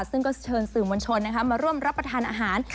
ซึ่งก็เชิญสื่อมวลชนมาร่วมรับประทานอาหาร